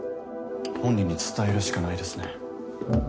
本人に伝えるしかないですね。